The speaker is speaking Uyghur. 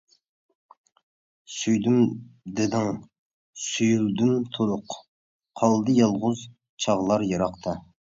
سۆيدۈم دېدىڭ، سۆيۈلدۈم تولۇق، قالدى يالغۇز چاغلار يىراقتا.